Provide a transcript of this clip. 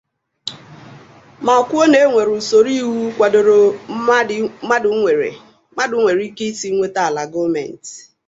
ma kwuo na e nwere usoro iwu kwàdòrò mmadụ nwere ike isi nweta ala gọọmenti